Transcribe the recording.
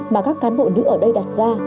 mà các cán bộ nữ ở đây đặt ra